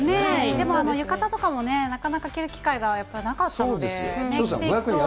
でも浴衣とかもなかなか着る機会がなかったので。